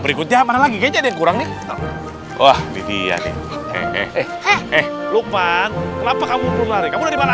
berikutnya apalagi jadi kurang nih wah di sini eh eh eh eh lupa kenapa kamu berlari kamu dimana